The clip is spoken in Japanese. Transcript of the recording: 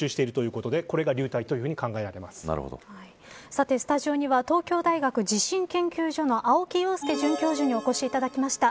さて、スタジオには東京大学地震研究所の青木陽介准教授にお越しいただきました。